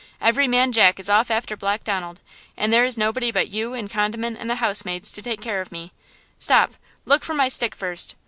every man jack is off after Black Donald, and there is nobody but you and Condiment and the housemaids to take care of me. Stop! look for my stick first.